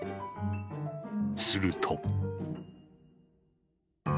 すると。